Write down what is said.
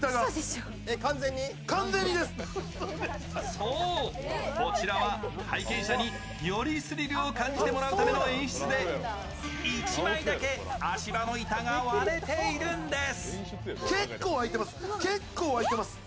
そう、こちらは体験者によりスリルを感じてもらうための演出で、１枚だけ足場の板が割れているんです。